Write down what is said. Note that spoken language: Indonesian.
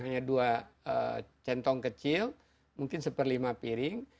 hanya dua centong kecil mungkin seperempat piring